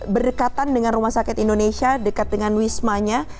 berdekatan dengan rumah sakit indonesia dekat dengan wismanya